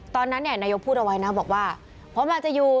ตอนนั้นเนี่ยนายกพูดเอาไว้นะบอกว่าผมอาจจะอยู่